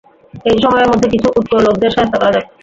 এই সময়ের মধ্যে কিছু উটকো লোকেদের শায়েস্তা করা যাক!